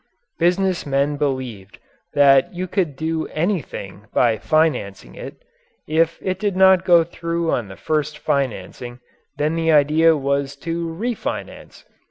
Business men believed that you could do anything by "financing" it. If it did not go through on the first financing then the idea was to "refinance."